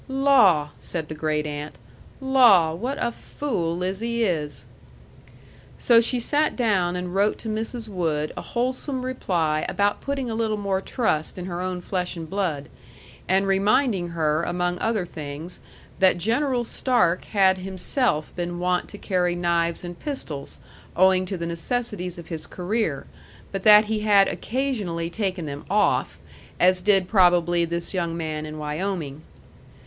"Law!" said the great aunt. "Law, what a fool Lizzie is!" So she sat down and wrote to Mrs. Wood a wholesome reply about putting a little more trust in her own flesh and blood, and reminding her among other things that General Stark had himself been wont to carry knives and pistols owing to the necessities of his career, but that he had occasionally taken them off, as did probably this young man in Wyoming.